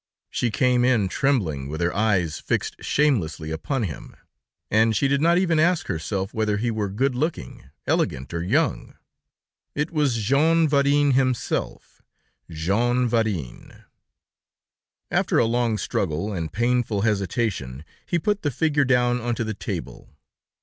She came in trembling, with her eyes fixed shamelessly upon him, and she did not even ask herself whether he were good looking, elegant or young. It was Jean Varin himself, Jean Varin. After a long struggle, and painful hesitation, he put the figure down onto the table.